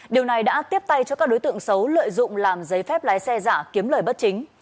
điều này đã tiếp tay cho các đối tượng xấu lợi dụng làm giấy phép lái xe giả kiếm lời bất chính